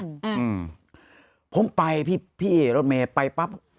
ต้นสะดาวเข้าไปฟี่ไอโรดเมคไปปั๊บ